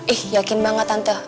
eh yakin banget tante